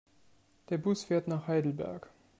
Der Bus fährt nach Heidelberg